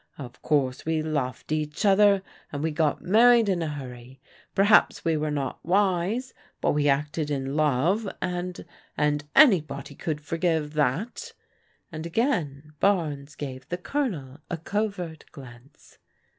Of course we loved each other, and we got married in a hurry. Perhaps we were not wise, but we acted in love, and — and anybody could forgive that," and again Barnes gave the Colonel a covert glance.